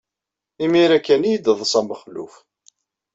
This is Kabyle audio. Imir-a kan ay d-yeḍsa Mexluf.